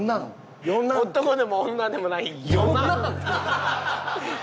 男でも女でもない余男。